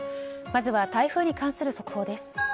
まずは台風に関する速報です。